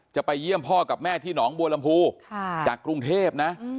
จะไปเยี่ยมพ่อกับแม่ที่หนองบัวลำพูจากกรุงเทพนะ